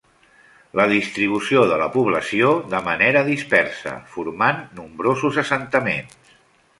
La distribució de la població de manera dispersa, formant nombrosos assentaments.